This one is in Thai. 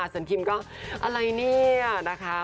ส่วนคิมก็อะไรเนี่ยนะคะ